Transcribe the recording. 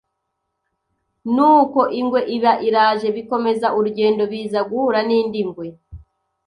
Nuko ingwe iba iraje, bikomeza urugendo Biza guhura n'indi ngwe,